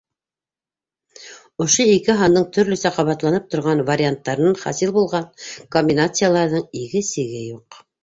Ошо ике һандың төрлөсә ҡабатланып торған варианттарынан хасил булған комбинацияларҙың иге-сиге юҡ.